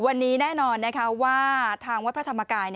วันนี้แน่นอนว่าทางวัดพระธรรมกาย